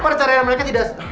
perceraian mereka tidak